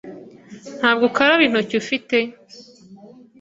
Ntabwo ukaraba intoki, ufite?